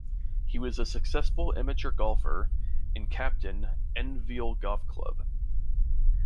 He was a successful amateur golfer and captained Enville Golf Club.